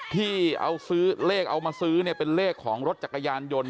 ที่เลขเอามาซื้อเป็นเลขของรถจักรยานยนต์